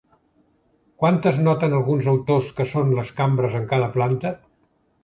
Quantes noten alguns autors que són les cambres en cada planta?